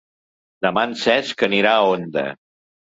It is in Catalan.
Demà en Cesc anirà a Onda.